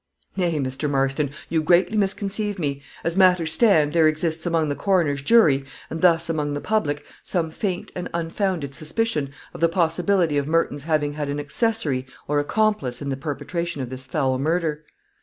"Nay, Mr. Marston, you greatly misconceive me; as matters stand, there exists among the coroner's jury, and thus among the public, some faint and unfounded suspicion of the possibility of Merton's having had an accessory or accomplice in the perpetration of this foul murder."